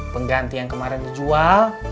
pengganti kuman yang kemarin dijuall